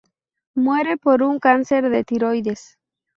Muere por un cáncer de tiroides.